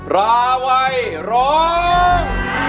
ราวัยร้อง